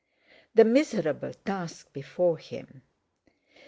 The miserable task before him!